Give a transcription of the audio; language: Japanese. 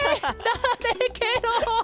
だれケロ？